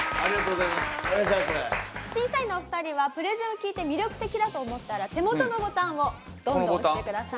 審査員のお二人はプレゼンを聞いて魅力的だと思ったら手元のボタンをどんどん押してくださいね。